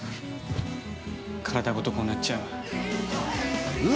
体ごとこうなっちゃう。